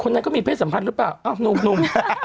คนไหนก็มีเพศสัมพันธ์หรือเปล่างุม